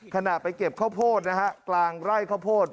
ขณะไปเก็บข้าวโพดนะฮะกลางไร่ข้าวโพด